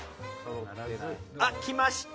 あっ来ました！